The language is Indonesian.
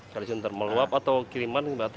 kali suntar meluap atau kiriman